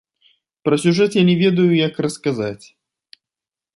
Пра сюжэт я не ведаю, як расказаць.